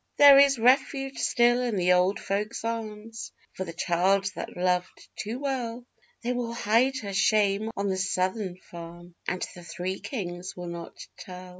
There is refuge still in the old folks' arms for the child that loved too well; They will hide her shame on the Southern farm and the Three Kings will not tell.